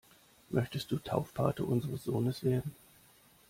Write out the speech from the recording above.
Möchtest du Taufpate unseres Sohnes werden?